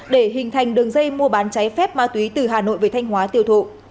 để hình thành đường dây mua bán trái phép ma túy từ hà nội về thanh hóa tiêu thụ